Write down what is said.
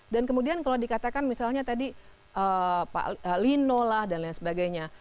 dan kemudian kalau dikatakan misalnya tadi pak lino lah dan lain sebagainya